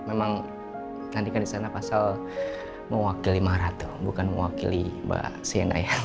memang nantikan di sana pasal mewakili mbak ratu bukan mewakili mbak sienna ya